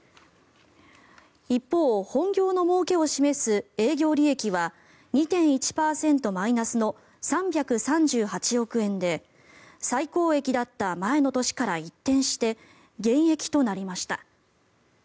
一方、本業のもうけを示す営業利益は２．１％マイナスの３３８億円で最高益だった前の年から一転して減益となりました。